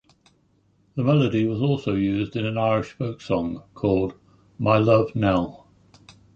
The melody was also used in an Irish folk song called "My Love Nell".